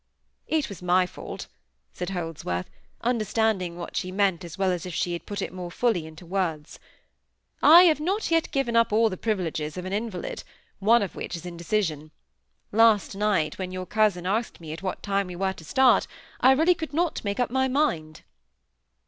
"It was my fault," said Holdsworth, understanding what she meant as well as if she had put it more fully into words. "I have not yet given up all the privileges of an invalid; one of which is indecision. Last night, when your cousin asked me at what time we were to start, I really could not make up my mind."